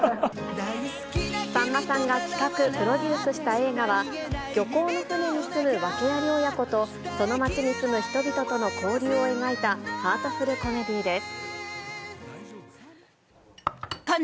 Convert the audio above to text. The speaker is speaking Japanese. さんまさんが企画・プロデュースした映画は、漁港の船に住む訳あり親子と、その町に住む人々との交流を描いたハートフルコメディーです。